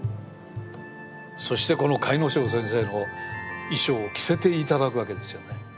そしてこの甲斐荘先生の衣装を着せて頂くわけですよね。